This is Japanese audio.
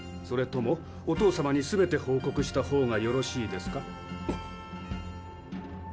それともお父様に全て報告した方がよろしいですか？